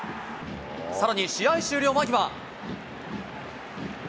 さらに試合終了間際。